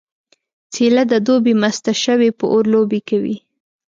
څیله د دوبي مسته شوې په اور لوبې کوي